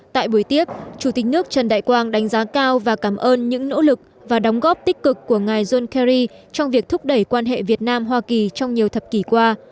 tại buổi tiếp chủ tịch nước trần đại quang đánh giá cao và cảm ơn những nỗ lực và đóng góp tích cực của ngài john kerry trong việc thúc đẩy quan hệ việt nam hoa kỳ trong nhiều thập kỷ qua